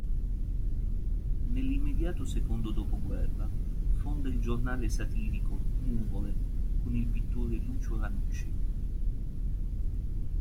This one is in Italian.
Nell’immediato secondo dopoguerra, fonda il giornale satirico “Nuvole” con il pittore Lucio Ranucci.